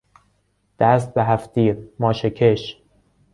دست به هفتتیر، ماشه کش